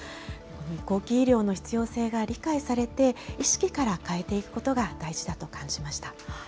移行期医療の必要性が理解されて、意識から変えていくことが大事だと感じました。